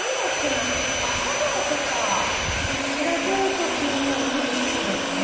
アサガオとか育てる時に見る支柱ですかね？